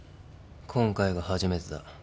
今回が初めてだ。